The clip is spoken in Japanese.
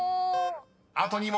［あと２問。